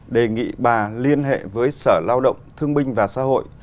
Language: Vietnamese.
đề nghị bà liên hệ với sở lao động thương binh và xã hội